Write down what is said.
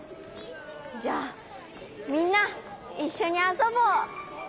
じゃあみんないっしょにあそぼう！